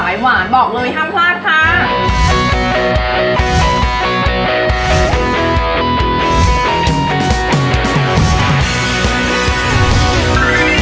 หวานบอกเลยห้ามพลาดค่ะ